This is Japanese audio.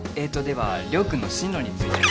では陵君の進路について。